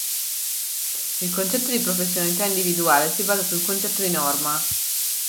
Il concetto di professionalità individuale si basa sul concetto di norma.